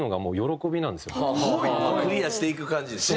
クリアしていく感じですね。